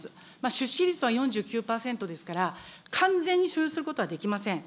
出資率は４９％ですから、完全に所有することはできません。